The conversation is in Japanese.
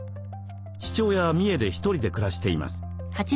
父親は三重で１人で暮らしています。